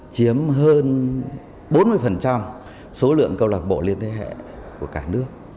chiếm hơn bốn mươi số lượng cơ lộc bộ lên thế hệ của cả nước